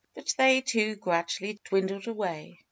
But they, too, gradually dwindled away.